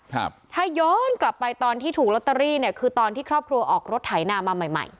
ถ้าย้อนกลับไปตอนที่ถูกลอตเตอรี่เนี่ยคือตอนที่ครอบครัวออกรถไถนามาใหม่ใหม่